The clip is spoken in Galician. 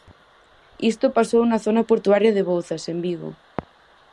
Isto pasou na zona portuaria de Bouzas, en Vigo.